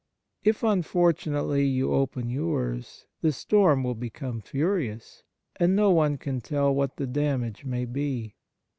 If, unfortunately, you open yours, the storm will become furious, and no one can tell what the damage may be."